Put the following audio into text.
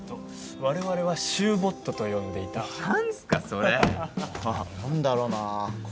我々は柊ボットと呼んでいた何すかそれもう何だろな心